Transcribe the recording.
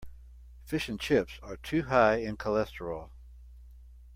Fish and chips are too high in cholesterol.